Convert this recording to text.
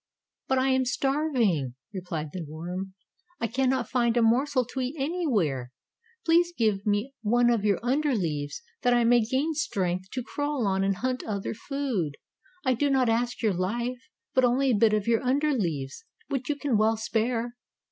"But I am starving," replied the worm. "I cannot find a morsel to eat anywhere. Please give me one of your under leaves that I may gain strength to crawl on and hunt other food. I do not ask your life, but only a bit of your under leaves, which you can well spare."